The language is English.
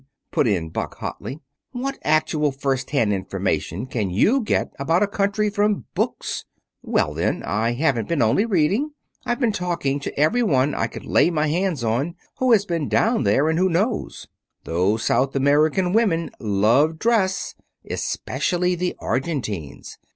put in Buck hotly. "What actual first hand information can you get about a country from books?" "Well, then, I haven't only been reading. I've been talking to everyone I could lay my hands on who has been down there and who knows. Those South American women love dress especially the Argentines.